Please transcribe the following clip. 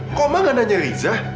kok oma gak nanya rizah